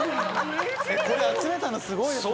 これ集めたのすごいですね。